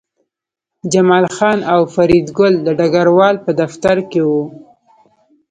جمال خان او فریدګل د ډګروال په دفتر کې وو